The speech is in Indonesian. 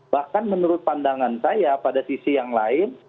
bahkan menurut pandangan saya pada sisi yang lain